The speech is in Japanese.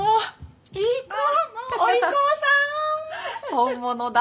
本物だ。